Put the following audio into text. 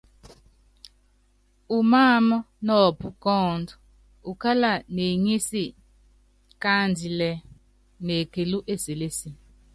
Umááma nɔɔpú kɔ́ɔ́ndú, ukála neŋísi káandilɛ́ nekelú eselési.